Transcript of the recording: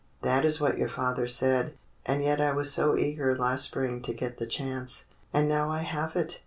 "That is what your father said. And yet I was so eager last spring to get the chance, and now I have it.